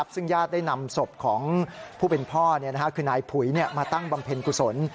ซึ่งญาติได้นำศพของผู้เป็นพ่อคือนายผุยมาตั้งบำเพ็ญกุศล